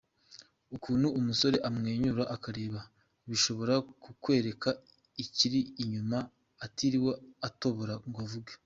Ukuntu umesore amwenyura akureba bishobora kukwereka ikibiri inyuma atiriwe atobora ngo avuge.